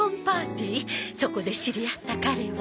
そこで知り合った彼は。